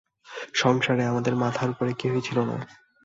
সংসারে আমাদের মাথার উপরে কেহই ছিল না।